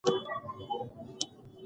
برېښنایي برس خبرداری ورکوي.